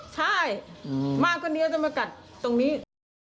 ใช่มาคนเดียวจะมากัดตรงนี้